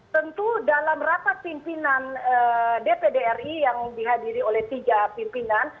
tentu dalam rapat pimpinan dpd ri yang dihadiri oleh tiga pimpinan